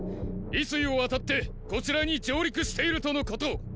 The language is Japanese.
渭水を渡ってこちらに上陸しているとのこと！